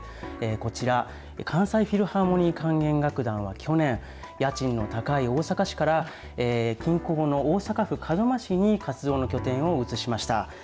こちら、関西フィルハーモニー管弦楽団は去年、家賃の高い大阪市から、近郊の大阪府門真市に活動の拠点を移しました。